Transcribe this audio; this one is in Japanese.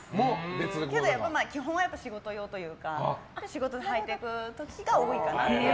けど、基本は仕事用というか仕事で履いていく時が多いかな。